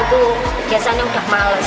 itu biasanya udah malas